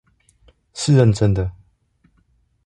是認真的